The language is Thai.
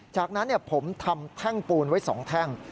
จากนั้นผมทำแท่งปูนไว้๒แท่ง